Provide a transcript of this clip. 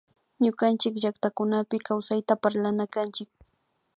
Ñukanchick llactakunapi kawpayta parlana kanchik